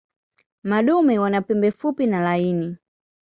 Madume wana pembe fupi na laini.